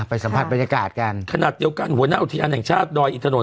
สัมผัสบรรยากาศกันขนาดเดียวกันหัวหน้าอุทยานแห่งชาติดอยอินทนนท